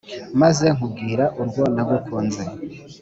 maze nkubwire urwo nagukunze